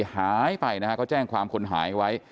หายไปนะฮะก็แจ้งความคนหายไว้